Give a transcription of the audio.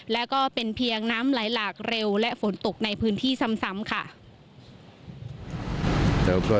แล้วก็เป็นเพียงน้ำไหลหลากเร็วและฝนตกในพื้นที่ซ้ำค่ะ